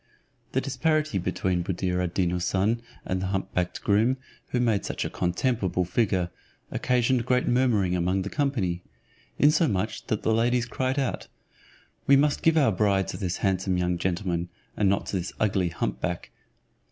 The disparity between Buddir ad Deen Houssun and the hump backed groom, who made such a contemptible figure, occasioned great murmuring among the company; insomuch that the ladies cried out, "We must give our bride to this handsome young gentleman, and not to this ugly humpback."